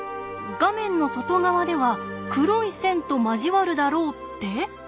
「画面の外側では黒い線と交わるだろう」って？